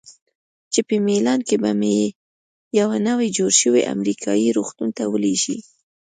چې په میلان کې به مې یوه نوي جوړ شوي امریکایي روغتون ته ولیږي.